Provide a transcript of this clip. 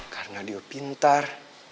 karena dia pintar